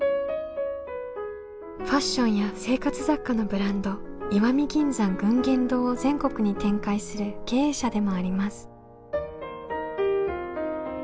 ファッションや生活雑貨のブランド「石見銀山群言堂」を全国に展開する経営者でもあります。